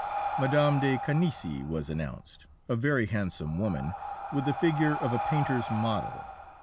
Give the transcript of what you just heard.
Mme. de Canisy was announced, a very handsome woman, with the figure of a painter's model.